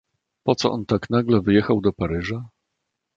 "...Poco on tak nagle wyjechał do Paryża?..."